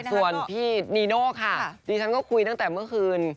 ส่วนพี่นีโน่ค่ะดิฉันก็คุยตั้งแต่เมื่อคืน